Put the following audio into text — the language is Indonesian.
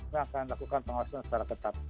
kita akan lakukan pengawasan secara ketat